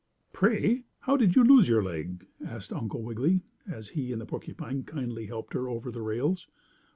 "Pray, how did you lose your leg?" asked Uncle Wiggily, as he and the porcupine kindly helped her over the rails.